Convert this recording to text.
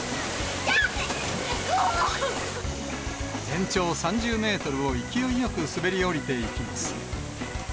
全長３０メートルを勢いよく滑り降りていきます。